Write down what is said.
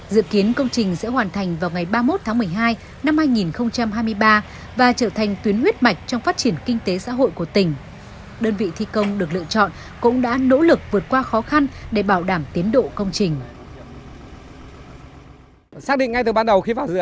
dự kiến công trình sẽ hoàn thành vào ngày ba mươi một tháng một mươi hai năm hai nghìn hai mươi ba và trở thành tuyến huyết mạch trong phát triển kinh tế xã hội của tỉnh